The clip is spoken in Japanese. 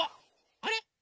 あれ？